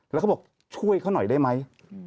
แล้วเขาบอกช่วยเขาหน่อยได้ไหม